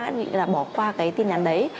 nghĩ là bỏ qua cái tin nhắn đấy